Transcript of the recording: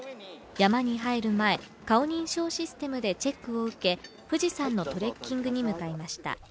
山に入る前、顔認証システムでチェックを受け、富士山のトレッキングに向かいました。